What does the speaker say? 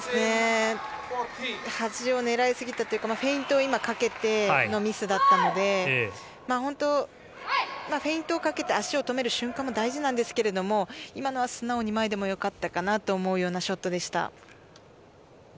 端を狙い過ぎてというかフェイントをかけてのミスだったので、フェイントかけた足を止める瞬間も大事ですが今のは素直に前でも良かったかなと思うようなショットでした。